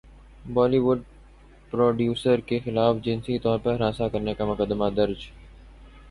Holi would producer کےخلاف جنسی طور پر ہراساں کرنے کا مقدمہ درج